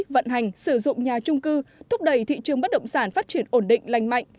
vận hành sử dụng nhà trung cư thúc đẩy thị trường bất động sản phát triển ổn định lành mạnh